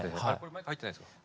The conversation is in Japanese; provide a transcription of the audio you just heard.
マイク入ってないですか？